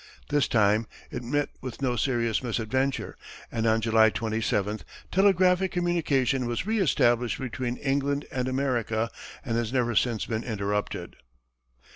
This time, it met with no serious misadventure, and on July 27, telegraphic communication was re established between England and America, and has never since been interrupted.